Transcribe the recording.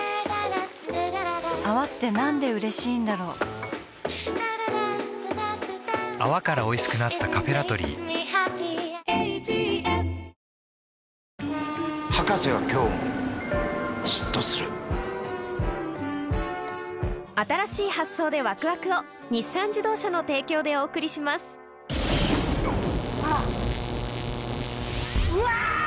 うわ！